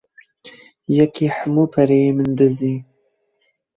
Yekî hemû pereyê min dizî.